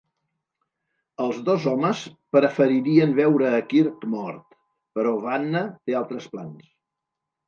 Els dos homes preferirien veure a Kirk mort, però Vanna té altres plans.